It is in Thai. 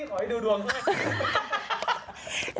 ขอให้ดูดวงก่อน